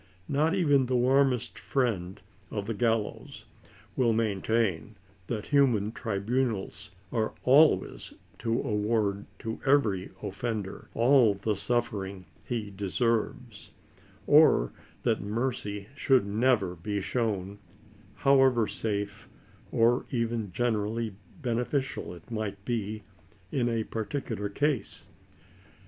Not even the warmest friend of the gallows will maintain that human tribunals ought always to award, to every offender, all the suffering he deserves ; or that mercy should never be shown, however safe, or even generally beneficial, it might be in any particular case.